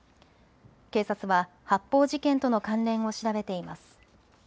警察は発砲事件との関連を調べています。